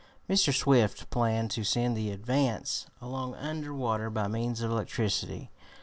Mr. Swift planned to send the Advance along under water by means of electricity.